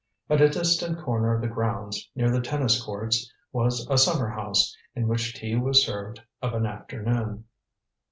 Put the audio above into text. At a distant corner of the grounds near the tennis courts was a summer house in which tea was served of an afternoon.